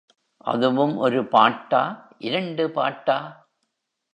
அதுவும் ஒரு பாட்டா, இரண்டு பாட்டா?